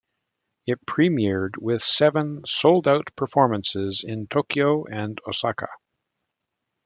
It premiered with seven sold-out performances in Tokyo and Osaka.